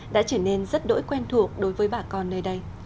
đã trở nên rất đỗi quen thuộc đối với bà con nơi đây